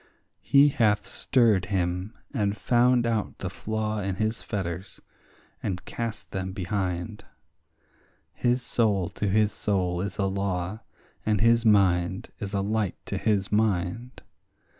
He hath stirred him, and found out the flaw in his fetters, and cast them behind; His soul to his soul is a law, and his mind is a light to his mind.